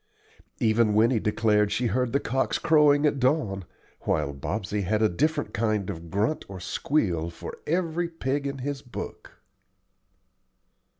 Even Winnie declared she heard the cocks crowing at dawn, while Bobsey had a different kind of grunt or squeal for every pig in his book.